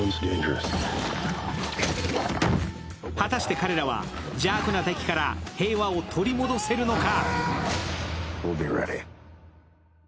果たして彼らは邪悪な敵から平和を取り戻せるのか。